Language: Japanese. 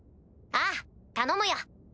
ああ頼むよ。